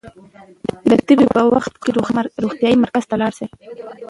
د تبې پر وخت روغتيايي مرکز ته لاړ شئ.